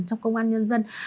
trong công an nhân dân